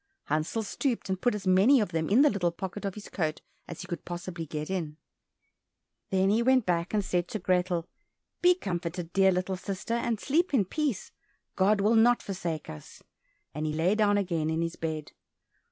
Hansel stooped and put as many of them in the little pocket of his coat as he could possibly get in. Then he went back and said to Grethel, "Be comforted, dear little sister, and sleep in peace, God will not forsake us," and he lay down again in his bed.